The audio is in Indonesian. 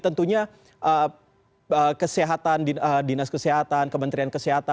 tentunya kesehatan dinas kesehatan kementerian kesehatan